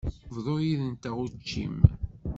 Bḍu yid-nteɣ učči-m.